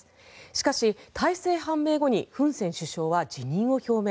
しかし、大勢判明後にフン・セン首相は辞任を表明。